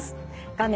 画面